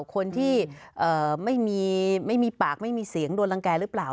คนที่ไม่มีปากไม่มีเสียงโดนรังแก่หรือเปล่า